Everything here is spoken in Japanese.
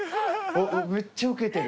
めっちゃウケてる。